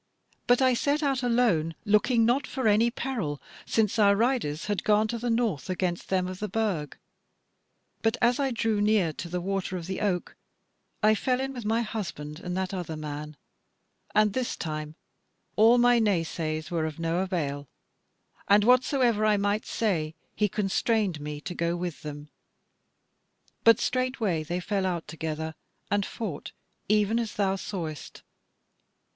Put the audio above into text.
But I set out alone looking not for any peril, since our riders had gone to the north against them of the Burg: but as I drew near to the Water of the Oak, I fell in with my husband and that other man; and this time all my naysays were of no avail, and whatsoever I might say he constrained me to go with them; but straightway they fell out together, and fought, even as thou sawest."